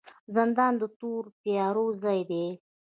زندان د تورو تیارو ځای دی